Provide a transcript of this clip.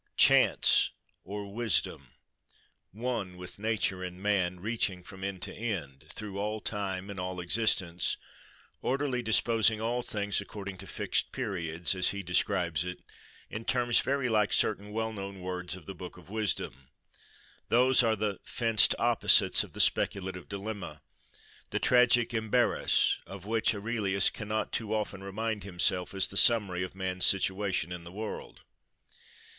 Chance: or Wisdom, one with nature and man, reaching from end to end, through all time and all existence, orderly disposing all things, according to fixed periods, as he describes it, in terms very like certain well known words of the book of Wisdom:—those are the "fenced opposites" of the speculative dilemma, the tragic embarras, of which Aurelius cannot too often remind himself as the summary of man's situation in the world.